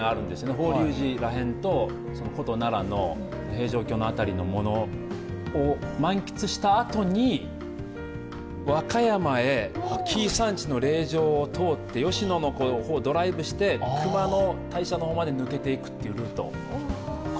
法隆寺らへんと、古都・奈良の平城京辺りのものを満喫したあとに、和歌山へ紀伊山地の霊場を通って吉野の方をドライブして熊野大社に抜けていくというルート。